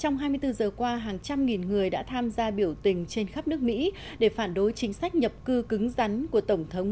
người đã tham gia biểu tình trên khắp nước mỹ để phản đối chính sách nhập cư cứng rắn của tổng thống